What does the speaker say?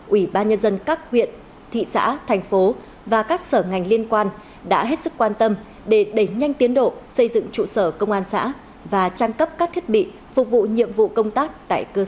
ủy ban nhân dân các huyện thị xã thành phố và các sở ngành liên quan đã hết sức quan tâm để đẩy nhanh tiến độ xây dựng trụ sở công an xã và trang cấp các thiết bị phục vụ nhiệm vụ công tác tại cơ sở